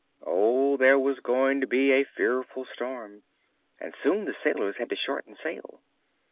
Oh, there was going to be a fearful storm! and soon the sailors had to shorten sail.